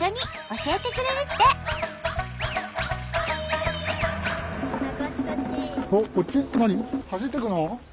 走っていくの？